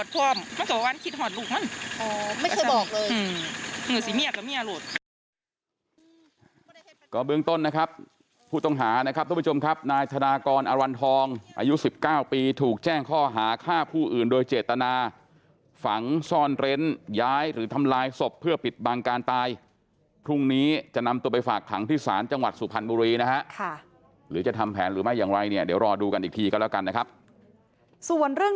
ก็เบื้องต้นนะครับผู้ต้องหานะครับทุกผู้ชมครับนายธนากรอรันทองอายุ๑๙ปีถูกแจ้งข้อหาฆ่าผู้อื่นโดยเจตนาฝังซ่อนเร้นย้ายหรือทำลายศพเพื่อปิดบังการตายพรุ่งนี้จะนำตัวไปฝากขังที่ศาลจังหวัดสุพรรณบุรีนะฮะหรือจะทำแผนหรือไม่อย่างไรเนี่ยเดี๋ยวรอดูกันอีกทีก็แล้วกันนะครับส่วนเรื่อง